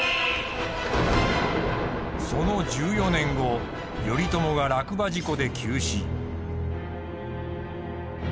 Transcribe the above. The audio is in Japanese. その１４年後頼朝が落馬事故で急死。